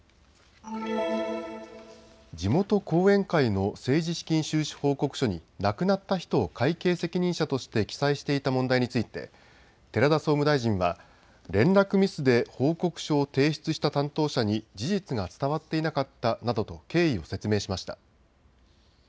地元後援会の政治資金収支報告書に亡くなった人を会計責任者として記載していた問題について寺田総務大臣は連絡ミスで報告書を提出した担当者に事実が伝わっていなかったなどと経緯を説明しました。